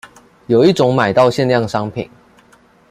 有一種買到限量商品